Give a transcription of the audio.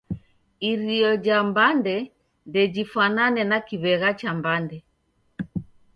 Irio ja mbande ndejifwanane na kiw'egha cha mbande.